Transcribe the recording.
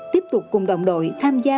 tiếp tục cùng đồng đội tham gia